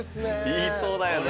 言いそうだよね。